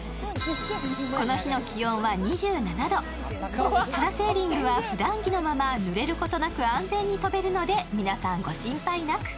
この日の気温は２７度、パラセーリングはふだん着のままぬれることなく安全に飛べるので皆さん、ご心配なく。